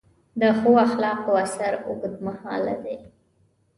د ښو اخلاقو اثر اوږدمهاله دی.